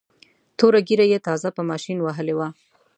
توره ږیره یې تازه په ماشین وهلې وه.